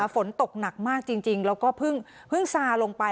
ฝนตกหนักมากจริงแล้วก็เพิ่งซาลงไป